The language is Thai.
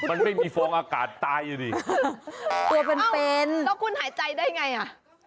มันไม่มีฟองอากาศตายอ่ะดิตัวเป็นเป็นแล้วคุณหายใจได้ไงอ่ะ